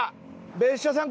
別所さん！